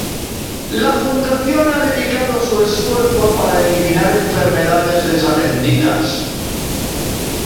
La fundación ha dedicado su esfuerzo para eliminar enfermedades desatendidas.